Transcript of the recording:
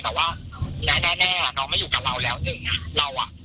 แต่ว่าและแน่แน่น้องมาอยู่กับเราแล้วหนึ่งอ่ะเราอ่ะ